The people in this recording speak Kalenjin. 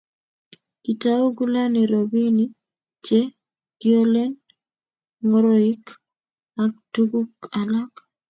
kiitou kulany robini che kiolen ngoroik ak tuguk alak